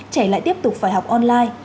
trẻ lại tiếp tục phải học online